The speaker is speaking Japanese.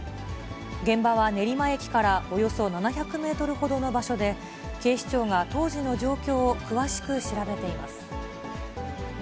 現場は練馬駅からおよそ７００メートルほどの場所で、警視庁が当時の状況を詳しく調べています。